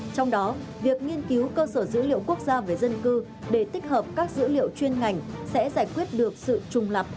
trong đó việc nghiên cứu cơ sở dữ liệu quốc gia về dân cư để tích hợp các dữ liệu chuyên ngành sẽ giải quyết được sự trùng lập